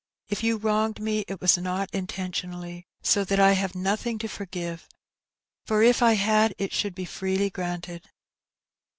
" If you wronged me it was not intentionally, so that I have nothing to forgive; if I had, it should be freely granted.